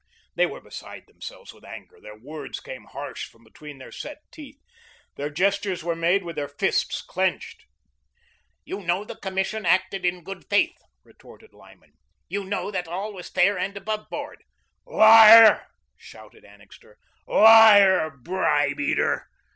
They were beside themselves with anger; their words came harsh from between their set teeth; their gestures were made with their fists clenched. "You know the Commission acted in good faith," retorted Lyman. "You know that all was fair and above board." "Liar," shouted Annixter; "liar, bribe eater.